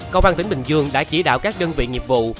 cơ quan tỉnh bình dương đã chỉ đạo các đơn vị nghiệp vụ